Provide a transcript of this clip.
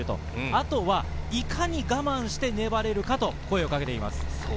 あとはいかに、我慢して粘れるかと声をかけています。